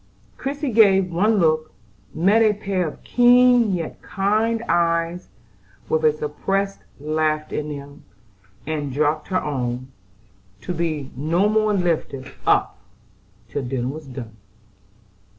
Christie gave one look, met a pair of keen yet kind eyes with a suppressed laugh in them, and dropped her own, to be no more lifted up till dinner was done.